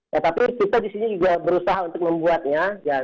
ya tapi kita di sini juga berusaha untuk membuatnya